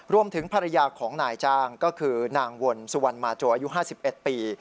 รวมถึงภรรยาของนายจ้างก็คือนางวนสุวรรณมาโจอายุ๕๑ปี